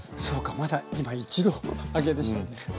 まだ今１度揚げでしたね。